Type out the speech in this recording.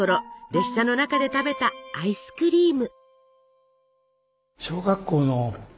列車の中で食べたアイスクリーム。